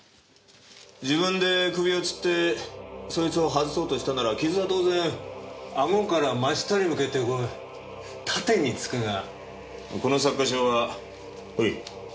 自分で首を吊ってそいつを外そうとしたなら傷は当然顎から真下に向けてこう縦につくがこの擦過傷はおい横向きだな。